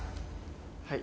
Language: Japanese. はい。